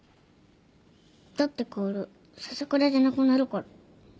だって薫笹倉じゃなくなるから。